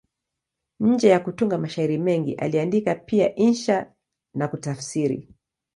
Nje ya kutunga mashairi mengi, aliandika pia insha na kutafsiri.